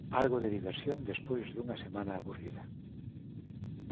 Algo de diversión despois dunha semana aburrida.